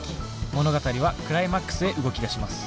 物語はクライマックスへ動きだします。